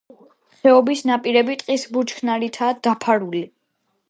ხეობის ნაპირები ტყის ბუჩქნარითაა დაფარული.